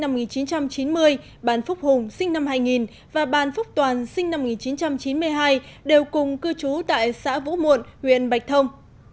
năm một nghìn chín trăm chín mươi bàn phúc hùng sinh năm hai nghìn và bàn phúc toàn sinh năm một nghìn chín trăm chín mươi hai đều cùng cư trú tại xã vũ muộn huyện bạch thông